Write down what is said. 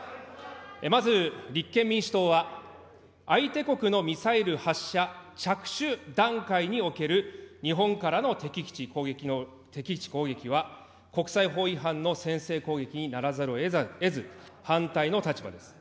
まず立憲民主党は、相手国のミサイル発射着手段階における日本からの敵基地攻撃は、国際法違反の先制攻撃にならざるをえず、反対の立場です。